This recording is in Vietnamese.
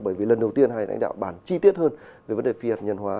bởi vì lần đầu tiên hai đảng đạo bán chi tiết hơn về vấn đề phi hạt nhân hóa